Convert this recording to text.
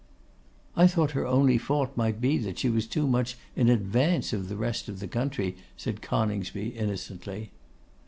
'I thought her only fault might be she was too much in advance of the rest of the country,' said Coningsby, innocently.